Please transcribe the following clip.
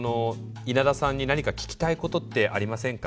稲田さんに何か聞きたいことってありませんか？